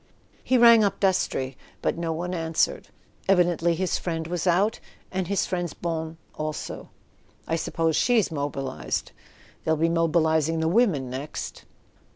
He rang up Dastrey, but no one answered. Evidently his friend was out, and his friend's bonne also. "I sup¬ pose she's mobilised: they'll be mobilising the women next."